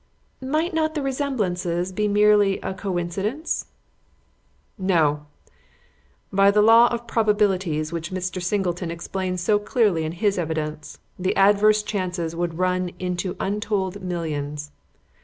'" "Might not the resemblances be merely a coincidence?" "No. By the law of probabilities which Mr. Singleton explained so clearly in his evidence, the adverse chances would run into untold millions.